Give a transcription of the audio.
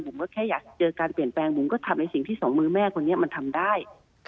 ว่าแค่อยากเจอการเปลี่ยนแปลงผมก็ทำในสิ่งที่สองมือแม่คนนี้มันทำได้